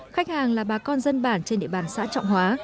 khách hàng là bà con dân bản trên địa bàn xã trọng hóa